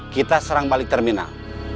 kita serang balik terminal